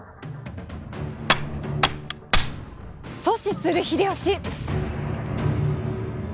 阻止する秀吉！